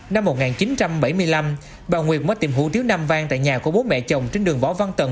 năm một nghìn chín trăm bảy mươi năm bà nguyệt mất tiệm hủ tiếu nam vàng tại nhà của bố mẹ chồng trên đường võ văn tận